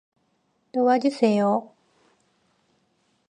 도와주세요!